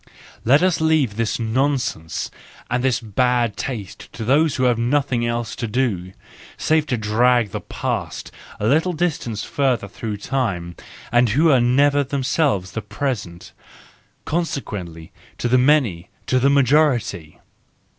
Let us leave this nonsense and this bad taste to those who have nothing else to do, save to drag the past a little distance further through time, and who are never themselves the present,—consequently to the many, to the majority!